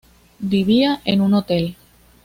Vivía en un hotel.